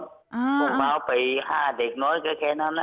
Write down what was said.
ผมเอาไปห้าเด็กน้อยก็แค่นั้นล่ะ